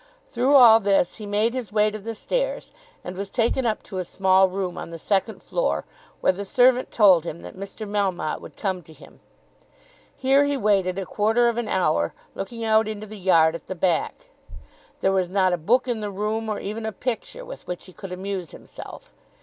Through all this he made his way to the stairs, and was taken up to a small room on the second floor, where the servant told him that Mr. Melmotte would come to him. Here he waited a quarter of an hour looking out into the yard at the back. There was not a book in the room, or even a picture with which he could amuse himself.